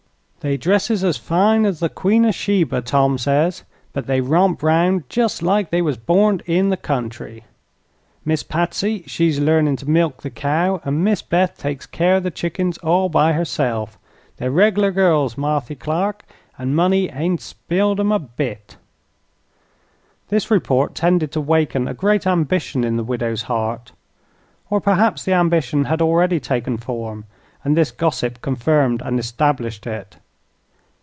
They dresses as fine as the Queen o' Sheba, Tom says; but they romp 'round just like they was borned in the country. Miss Patsy she's learnin' to milk the cow, an' Miss Beth takes care o' the chickens all by herself. They're reg'lar girls, Marthy Clark, an' money hain't spiled 'em a bit." This report tended to waken a great ambition in the widow's heart. Or perhaps the ambition had already taken form and this gossip confirmed and established it.